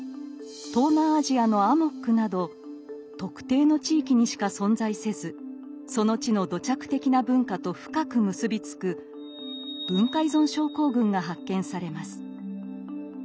東南アジアの「アモック」など特定の地域にしか存在せずその地の土着的な文化と深く結び付く「文化依存症候群」が発見されます。